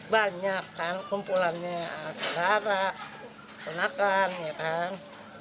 banyak kan kumpulannya saudara ponakan ya kan